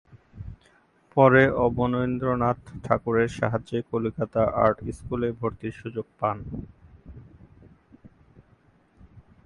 পরে অবনীন্দ্রনাথ ঠাকুরের সাহায্যে কলিকাতা আর্ট স্কুলে ভর্তির সুযোগ পান।